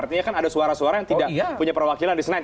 artinya kan ada suara suara yang tidak punya perwakilan di senay